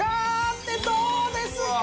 ってどうですか！